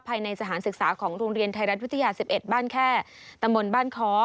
ภายในสถานศึกษาของโรงเรียนไทยรัฐวิทยา๑๑บ้านแค่ตำบลบ้านค้อ